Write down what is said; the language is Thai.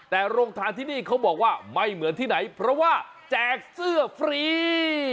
แต่โรงทานที่นี่เขาบอกว่าไม่เหมือนที่ไหนเพราะว่าแจกเสื้อฟรี